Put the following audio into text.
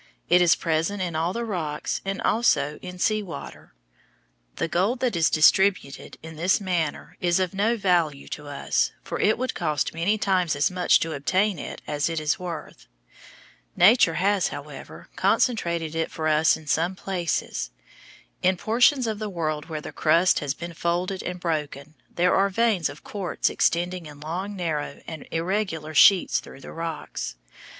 It is present in all the rocks and also in sea water. The gold that is distributed in this manner is of no value to us, for it would cost many times as much to obtain it as it is worth. Nature has, however, concentrated it for us in some places. In portions of the world where the crust has been folded and broken there are veins of quartz extending in long, narrow, and irregular sheets through the rocks.